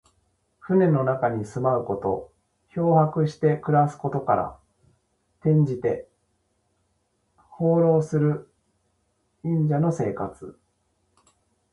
船の中に住まうこと。漂泊して暮らすことから、転じて、放浪する隠者の生活。